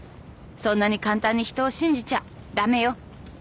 「そんなに簡単に人を信じちゃ駄目よ」